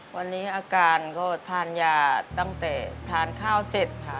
วันนี้อาการก็ทานยาตั้งแต่ทานข้าวเสร็จค่ะ